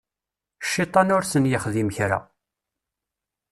Cciṭan ur sen-yexdim kra.